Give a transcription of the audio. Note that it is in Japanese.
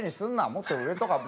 もっと上とか」。